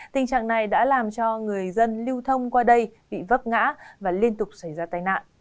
tình trạng này đã làm cho người dân lưu thông qua đây bị vấp ngã và liên tục xảy ra tai nạn